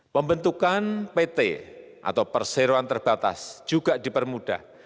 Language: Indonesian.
pembentukan pt atau perseroan terbatas juga dipermudah